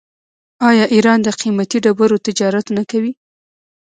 آیا ایران د قیمتي ډبرو تجارت نه کوي؟